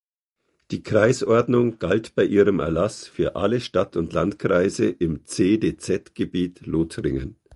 Die Kreisordnung galt bei ihrem Erlass für alle Stadt- und Landkreise im CdZ-Gebiet Lothringen.